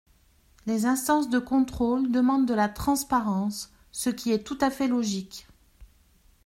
Les instances de contrôle demandent de la transparence, ce qui est tout à fait logique.